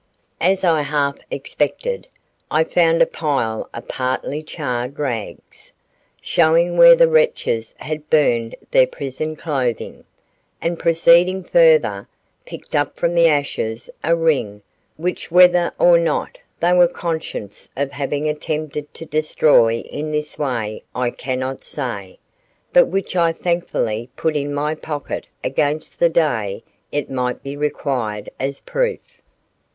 As I half expected, I found a pile of partly charred rags, showing where the wretches had burned their prison clothing, and proceeding further, picked up from the ashes a ring which whether or not they were conscious of having attempted to destroy in this way I cannot say, but which I thankfully put in my pocket against the day it might be required as proof.